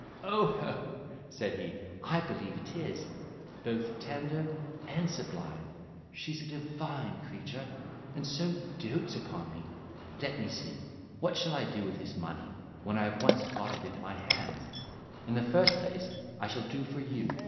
"Oh, ho!" said he, "I believe it is—both tender and sublime; she's a divine creature! and so doats upon me! Let me see—what shall I do with this money, when I have once got it into my hands? In the first place, I shall do for you.